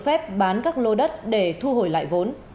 phép bán các lô đất để thu hồi lại vốn